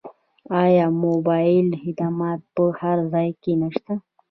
آیا موبایل خدمات په هر ځای کې نشته؟